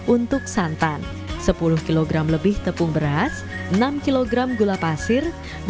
untuk santan sepuluh kg lebih tepung beras enam kg gula pasir